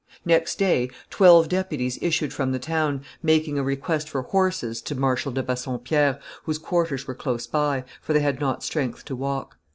Next day, twelve deputies issued from the town, making a request for horses to Marshal de Bassompierre, whose quarters were close by, for they had not strength to walk.